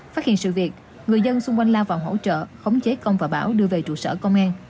phát hiện sự việc người dân xung quanh lao vào hỗ trợ khống chế công và bảo đưa về trụ sở công an